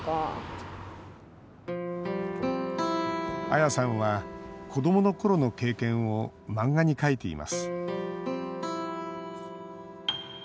アヤさんは子どものころの経験を漫画に描いています。